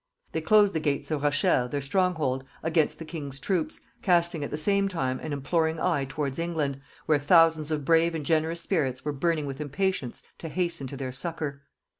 They closed the gates of Rochelle, their strong hold, against the king's troops, casting at the same time an imploring eye towards England, where thousands of brave and generous spirits were burning with impatience to hasten to their succour.